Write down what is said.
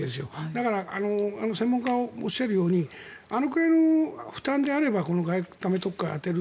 だから専門家がおっしゃるようにあのくらいの負担であればこの外為とかに充てる。